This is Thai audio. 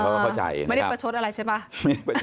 ไม่ได้ประชดอะไรใช่ไหม